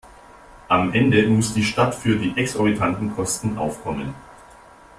Am Ende muss die Stadt für die exorbitanten Kosten aufkommen.